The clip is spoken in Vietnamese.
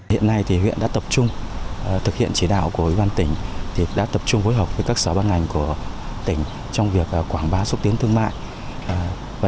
hiện nay thì huyện đã tập trung thực hiện chỉ đạo của ủy ban tỉnh thì đã tập trung hối hợp với các sở ban ngành của tỉnh trong việc quảng bá xúc tiến thương mại